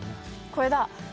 これだ！